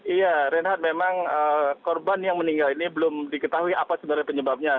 iya reinhardt memang korban yang meninggal ini belum diketahui apa sebenarnya penyebabnya